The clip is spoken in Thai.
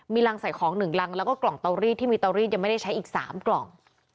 มีรังใส่ของ๑รังแล้วก็กล่องเตารีดที่มีเตารีดยังไม่ได้ใช้อีก๓กล่อง